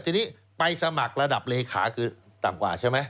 ทีนี้ไปสมัครระดับเลขาคือต่ำกว่าใช่ไหม